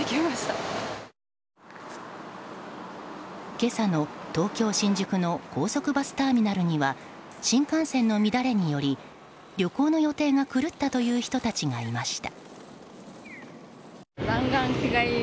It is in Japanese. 今朝の東京・新宿の高速バスターミナルには新幹線の乱れにより旅行の予定が狂ったという人たちがいました。